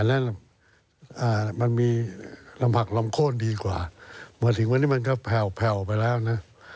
และมันมีลำผักลำโค้นดีกว่ามาถึงวันนี้มันก็แผ่วไปแล้วนะ